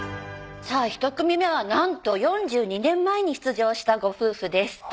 さぁひと組目はなんと４２年前に出場したご夫婦です